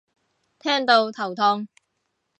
聽到頭痛